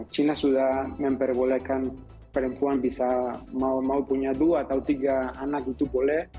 cina sudah memperbolehkan perempuan bisa mau punya dua atau tiga anak itu boleh